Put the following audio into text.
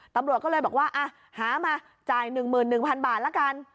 ตำรวจก็เลยบอกว่าหามาจ่าย๑๑๐๐๐บาทละกัน